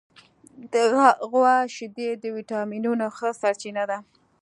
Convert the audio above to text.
د غوا شیدې د وټامینونو ښه سرچینه ده.